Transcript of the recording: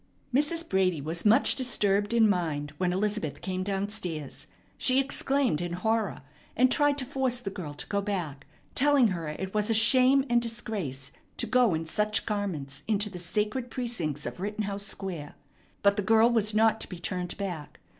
Mrs. Brady was much disturbed in mind when Elizabeth came down stairs. She exclaimed in horror, and tried to force the girl to go back, telling her it was a shame and disgrace to go in such garments into the sacred precincts of Rittenhouse Square; but the girl was not to be turned back.